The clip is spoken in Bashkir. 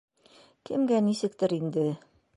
Кемгә нисектер инде...